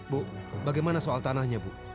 bu bagaimana soal tanahnya bu